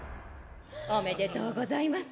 おめでとうございます。